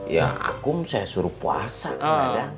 ya aku saya suruh puasa ya day